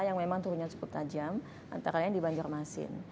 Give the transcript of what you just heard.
yang memang turunnya cukup tajam antaranya di banjurmasin